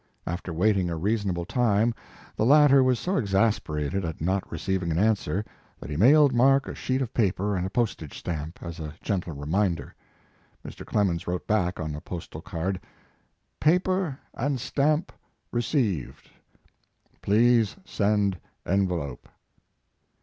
After waiting a reasonable time the latter was so exasperated, at not receiving an answer, that he mailed Mark a sheet of paper and a postage stamp, as a gentle reminder. Mr. Clemens wrote back on a postal card: "Paper and stamp received. Please send an envelope."